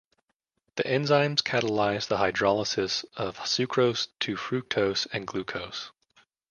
The enzymes catalyze the hydrolysis of sucrose to fructose and glucose.